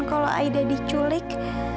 kalau aida diculik